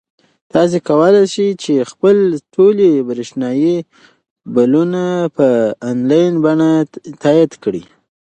تاسو کولای شئ چې خپلې ټولې برېښنايي بلونه په انلاین بڼه تادیه کړئ.